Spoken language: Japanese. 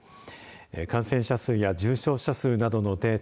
感染者数や重症者数などのデータ